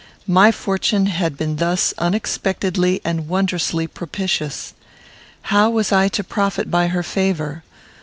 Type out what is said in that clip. My fortune had been thus unexpectedly and wondrously propitious. How was I to profit by her favour?